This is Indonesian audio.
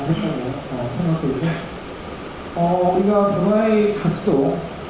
kita akan mencetak gol di liga satu bersama timnas indonesia